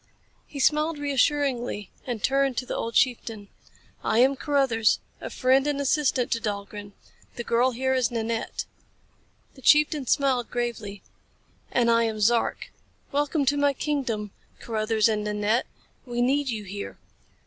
He smiled reassuringly and turned to the old chieftain. "I am Carruthers, a friend and assistant to Dahlgren. The girl here is Nanette." The chieftain smiled gravely. "And I am Zark. Welcome to my kingdom, Carruthers and Nanette. We need you here.